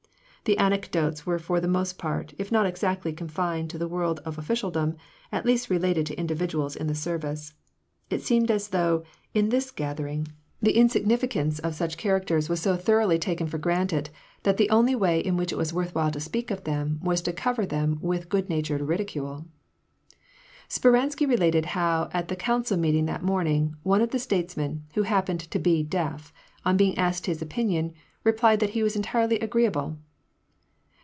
The anecdotes were for the most part, if not exactly confined to the world of official dom, at least related to individuals in the service. It seemed as though, in this gathering, the insignificance of such charac WAR AND PEACE, 213 ters was so thoroughly taken for granted, that the only way in which it was worth while to speak of them was to cover them with good natured ridicule. Speransky related how at the council meeting that morn ing, one of the statesmen, who happened to be deaf, on being asked his opinion, replied that he was entirely agreeable.